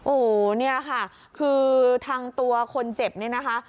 โอ้โหเนี่ยค่ะคือทางตัวคนเจ็บเนี่ยนะคะ